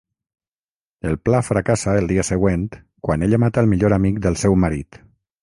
El pla fracassa el dia següent quan ella mata el millor amic del seu marit.